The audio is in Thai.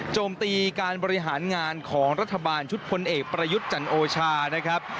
โจมตีการบริหารงานของรัฐบาลชุดพลเอกประยุทธ์จันโอชานะครับ